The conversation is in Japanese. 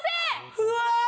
うわ！